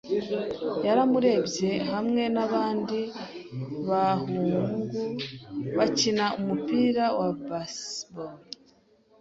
Yaramurebye hamwe nabandi bahungu bakina umupira wa baseball.